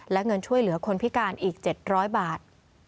และเงินช่วยเหลือคนพิการอีก๗๐๐บาท